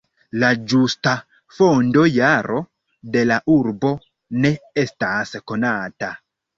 La ĝusta fondo-jaro de la urbo ne estas konata.